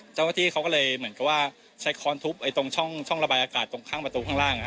เจ้าหน้าที่เขาก็เลยเหมือนกับว่าใช้ค้อนทุบตรงช่องระบายอากาศตรงข้างประตูข้างล่าง